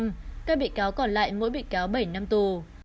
các bị cáo còn lại mỗi bị cáo bảy năm tù